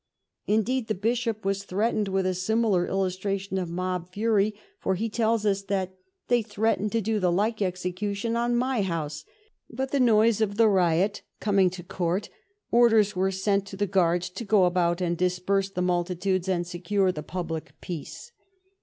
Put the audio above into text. Indeed, the Bishop was threat ened with a similar illustration of mob fury, for he tells us that " they threatened to do the like execution on my house ; but the noise of the riot coming to Court, orders were sent to the Guards to go about and dis perse the multitudes, and secure the public peace.